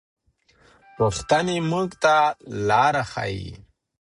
پوښتنې موږ ته لاره ښيي.